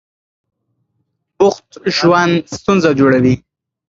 بوخت ژوند ستونزه جوړوي.